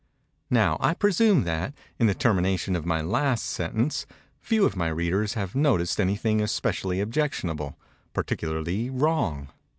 Now I presume that, in the termination of my last sentence, few of my readers have noticed anything especially objectionable—particularly wrong.